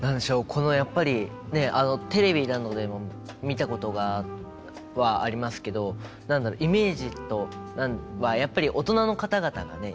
このやっぱりねテレビなどでも見たことはありますけど何だろう？イメージはやっぱり大人の方々がね